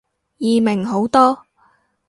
易明好多